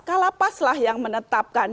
kalapaslah yang menetapkan